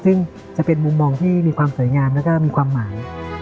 ซึ่งจะเป็นมุมมองที่มีความสวยงามแล้วก็มีความหมาย